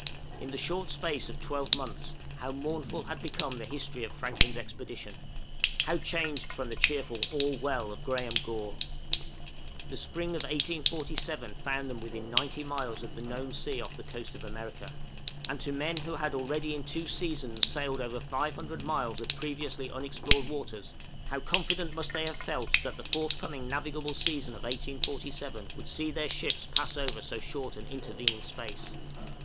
In the short space of twelve months how mournful had become the history of Franklin's expedition; how changed from the cheerful "All well" of Graham Gore! The spring of 1847 found them within 90 miles of the known sea off the coast of America; and to men who had already in two seasons sailed over 500 miles of previously unexplored waters, how confident must they have felt that that forthcoming navigable season of 1847 would see their ships pass over so short an intervening space!